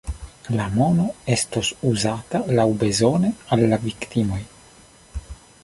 La mono estos uzata laŭbezone al la viktimoj.